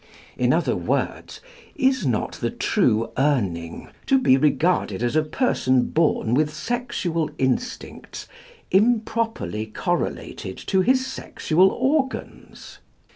In other words, is not the true Urning to be regarded as a person born with sexual instincts improperly correlated to his sexual organs?